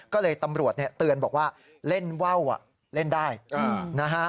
ก็เลยตำรวจเนี่ยเตือนบอกว่าเล่นว่าวเล่นได้นะฮะ